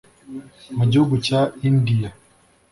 Mu gihugu cya India